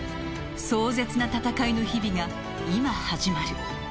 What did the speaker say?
［壮絶な戦いの日々が今始まる］